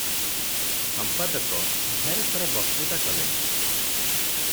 ସମ୍ପାଦକ ଢେର ଥର ବକ୍ତୃତା କଲେଣି ।